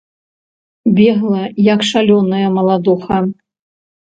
Бегла, як шалёная, маладуха.